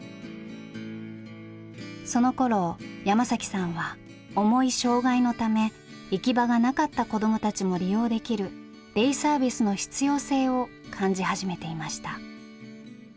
そのころ山さんは重い障害のため行き場がなかった子どもたちも利用できるデイサービスの必要性を感じ始めていました。